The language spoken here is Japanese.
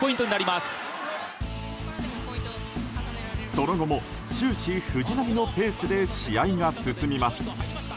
その後も終始、藤波のペースで試合が進みます。